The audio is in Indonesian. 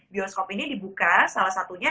bioskop ini dibuka salah satunya